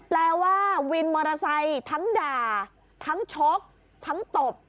แปลว่าวินมอเตอร์ไซค์ทั้งด่าทั้งชกทั้งตบ